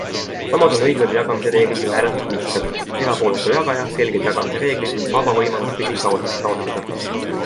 Samas on õiglase jagamise reeglid ju ääretult lihtsad - erapooletu jagaja, selged jagamise reeglid ning vaba võimalus kõigil taotleda.